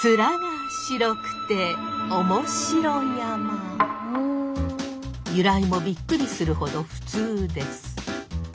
あっ由来もびっくりするほど普通です。